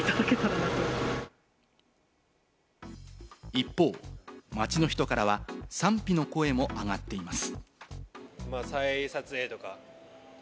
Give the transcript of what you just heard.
一方、街の人からは賛否の声も上がっています。